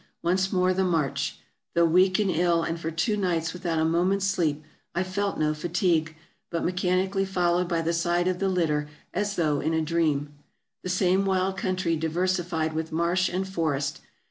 Once more the march. Though weak and ill, and for two nights without a moment's sleep, I felt no fatigue, but mechanically followed by the side of the litter as though in a dream. The same wild country diversified with marsh and forest.